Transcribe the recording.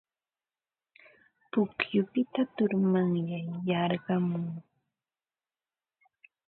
Pukyupita turmanyay yarqumun.